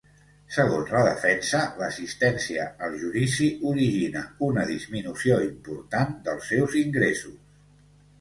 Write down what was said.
Segons la defensa, l’assistència al judici origina una ‘disminució important’ dels seus ingressos.